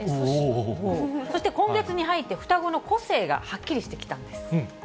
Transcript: そして今月に入って双子の個性がはっきりしてきたんです。